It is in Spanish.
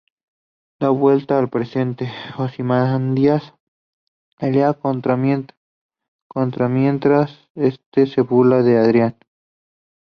De vuelta al presente, Ozymandias pelea contra mientras este se burla de Adrian.